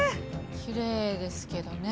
きれいですけどね。